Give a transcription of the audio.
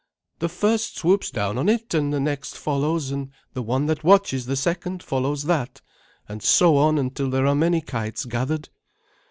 "The first swoops down on it, and the next follows, and the one that watches the second follows that, and so on until there are many kites gathered."